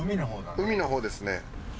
海のほうですね。